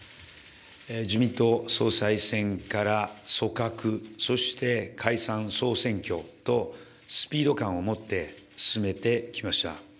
自民党総裁選から組閣、そして、解散・総選挙とスピード感を持って進めてきました。